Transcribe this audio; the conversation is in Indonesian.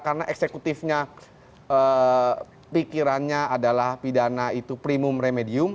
karena eksekutifnya pikirannya adalah pidana itu primum remedium